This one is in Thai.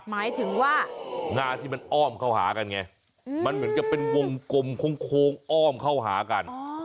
หมายถึงว่างาที่มันอ้อมเข้าหากันไงมันเหมือนกับเป็นวงกลมโค้งอ้อมเข้าหากัน